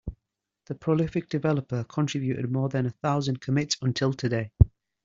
The prolific developer contributed more than a thousand commits until today.